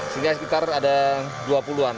sehingga sekitar ada dua puluh an